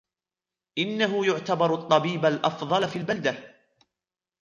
إنه يعتبر الطبيب الأفضل في البلدة.